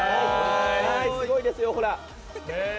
すごいですよ、ほら！